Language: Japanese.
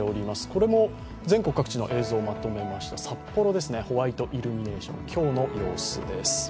これも全国各地の映像をまとめました札幌ですね、ホワイトイルミネーション、今日の会場。